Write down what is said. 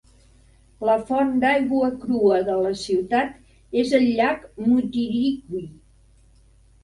La font d'aigua crua de la ciutat és el llac Mutirikwi.